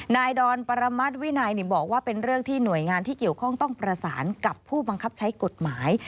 ดอนประมัติวินัยบอกว่าเป็นเรื่องที่หน่วยงานที่เกี่ยวข้องต้องประสานกับผู้บังคับใช้กฎหมาย